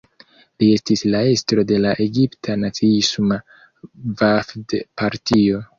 Li estis la estro de la egipta naciisma Vafd-Partio.